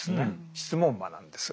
質問魔なんです。